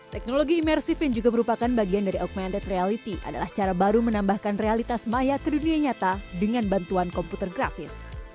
teknologi imersif yang juga merupakan bagian dari augmented reality adalah cara baru menambahkan realitas maya ke dunia nyata dengan bantuan komputer grafis